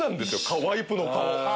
顔ワイプの顔。